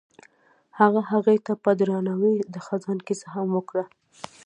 هغه هغې ته په درناوي د خزان کیسه هم وکړه.